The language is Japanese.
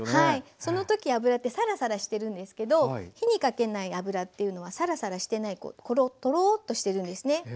その時油ってサラサラしてるんですけど火にかけない油っていうのはサラサラしてないトロっとしてるんですね。